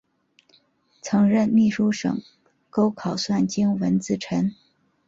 曾任秘书省钩考算经文字臣。